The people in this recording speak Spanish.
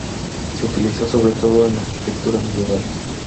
Se utilizó sobre todo en la arquitectura medieval.